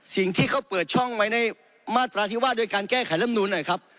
สิ่งที่เขาเปิดช่องไว้ในมาตราที่ว่าด้วยการแก้ไขลำนูนหน่อยครับ